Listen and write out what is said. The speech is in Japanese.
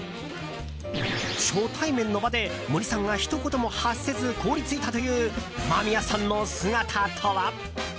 初対面の場で、森さんがひと言も発せず凍りついたという間宮さんの姿とは。